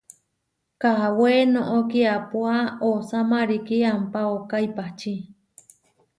Kawé noʼó kiápua osá marikí ampá ooká ipahčí.